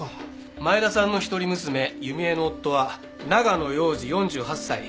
前田さんの一人娘弓枝の夫は長野庸次４８歳。